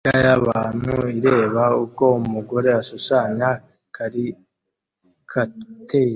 Imbaga y'abantu ireba uko umugore ashushanya karikatire